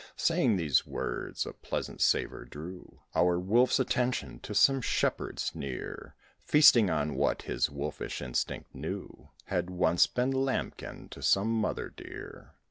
Saying these words, a pleasant savour drew Our wolf's attention to some shepherds near, Feasting on what his wolfish instinct knew Had once been lambkin, to some mother dear.